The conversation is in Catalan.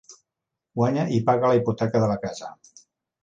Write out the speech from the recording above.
Guanya i paga la hipoteca de la casa.